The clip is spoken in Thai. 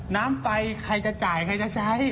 น้ำไฟใครจะจ่ายใครจะใช้